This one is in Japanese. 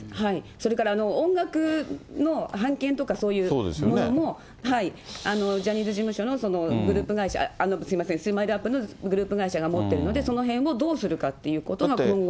それから音楽の版権とか、そういうものも、ジャニーズ事務所のグループ会社、すみません、ＳＭＩＬＥーＵＰ．のグループ会社が持ってるので、そのへんをどうするかっていうことが今後。